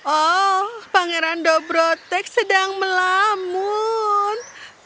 oh pangeran dobrotek sedang melamun